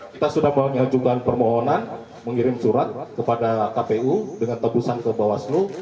kita sudah mengajukan permohonan mengirim surat kepada kpu dengan tebusan ke bawaslu